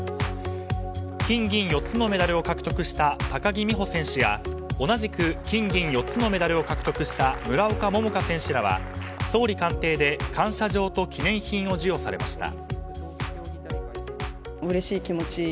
金、銀４つのメダルを獲得した高木美帆選手や同じく金、銀４つのメダルを獲得した村岡選手らは総理官邸で感謝状と記念品を授与されました。